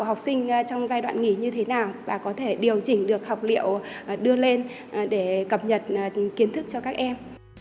học sinh trong giai đoạn nghỉ như thế nào và có thể điều chỉnh được học liệu đưa lên để cập nhật kiến thức cho các em